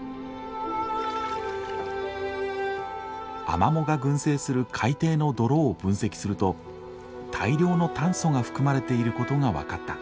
アマモが群生する海底の泥を分析すると大量の炭素が含まれていることが分かった。